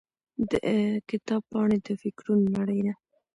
د کتاب پاڼې د فکرونو نړۍ ده.